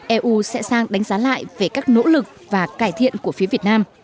eu sẽ sang đánh giá lại về các nỗ lực và cải thiện của phía việt nam